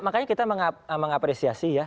makanya kita mengapresiasi ya